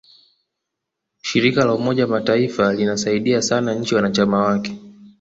shirika la umoja wa mataifa linasaidia sana nchi wanachama wake